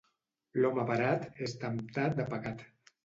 L'home parat és temptat de pecat.